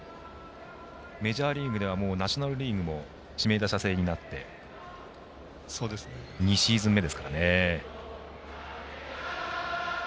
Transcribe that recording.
メジャーリーグではナショナルリーグも指名打者制になって２シーズン目ですからね。